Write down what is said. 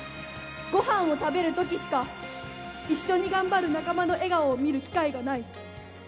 ごはんを食べるときしか一緒に頑張る仲間の笑顔を見る機会がない。